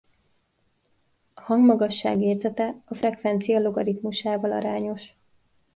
A hangmagasság érzete a frekvencia logaritmusával arányos.